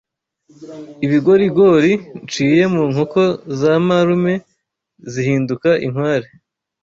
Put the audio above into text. ibigorigori nshiye mu nkoko za marume zihinduka inkware